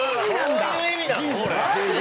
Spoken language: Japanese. そういう意味なの？